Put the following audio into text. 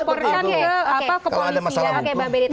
jadi kalau masyarakat